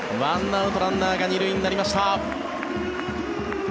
１アウトランナーが２塁になりました。